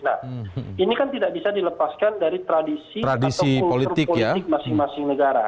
nah ini kan tidak bisa dilepaskan dari tradisi atau kultur politik masing masing negara